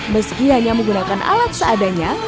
meski hanya menggunakan alat seadanya